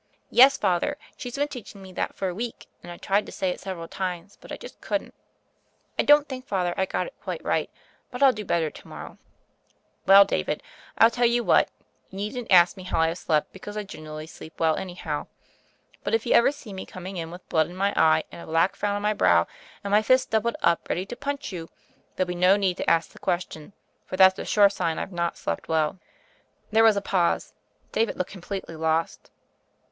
"Yes, Father; she's been teaching me that for a week; and I tried to say it several times, but I just couldn't. I don't think, Father, I got it quite right, but I'll do better to morrow." "Well, David, I'll tell you what; you needn't ask me how I have slept, because I generally sleep well anyhow. But if you ever see me coming in with blood in my eye, and a black frown on my brow, and my fists doubled up ready to punch you, there'll be no need to ask the question; for that's a sure sign I've not slept well." There was a pause : David looked completely lost.